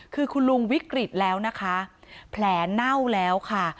คือคุณลุงวิกฤตแล้วนะคะแผลเน่าแล้วค่ะ